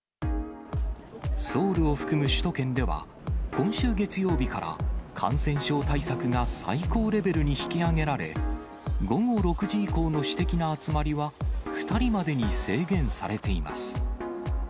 ソウルを含む首都圏では、今週月曜日から感染症対策が最高レベルに引き上げられ、午後６時以降の私的な集まりは、２人までに制限されています。